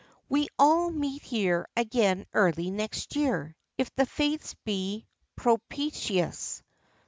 "We all meet here again early next year if the fates be propitious.